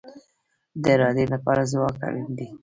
د ارادې لپاره ځواک اړین دی